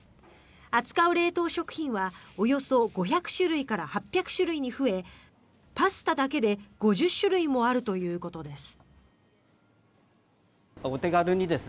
扱う冷凍食品はおよそ５００種類から８００種類に増えパスタだけで５０種類もあるということです。